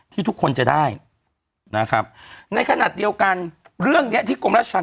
ที่ทุกคนจะได้นะครับในขณะเดียวกันเรื่องเนี้ยที่กรมราชธรรม